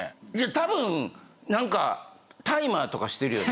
たぶん何か大麻とかしてるよね？